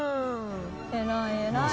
偉い偉い。